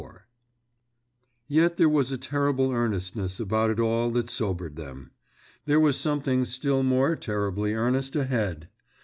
IV Yet there was a terrible earnestness about it all that sobered them. There was something still more terribly earnest ahead!